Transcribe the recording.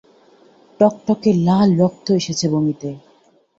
টকটকে লাল রক্ত এসেছে বমিতে।